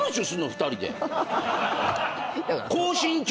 ２人で。